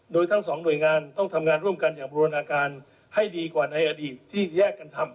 โดยทั้งสองหน่วยงานต้องทำงานร่วมกันอย่างบรวนอาการให้ดีกว่าในอดีตที่แยกกันทำ